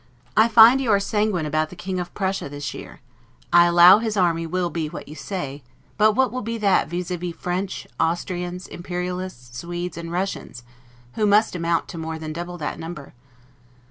I find you are sanguine about the King of Prussia this year; I allow his army will be what you say; but what will that be 'vis a vis' French, Austrians, Imperialists, Swedes, and Russians, who must amount to more than double that number?